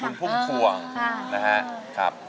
คุณพุ่งพวงนะฮะค่ะ